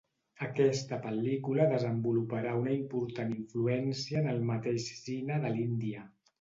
Aquesta pel·lícula desenvoluparà una important influència en el mateix cine de l'Índia.